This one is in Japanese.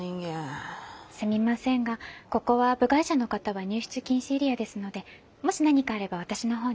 すみませんがここは部外者の方は入室禁止エリアですのでもし何かあれば私のほうに。